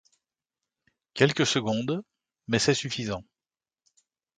Quelques secondes, mais c’est suffisant.